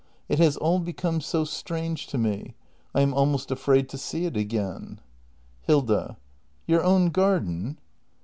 It has all become so strange to me. I am almost afraid Hilda. to see it again Your own garden!